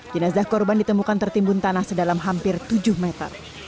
jenazah korban ditemukan tertimbun tanah sedalam hampir tujuh meter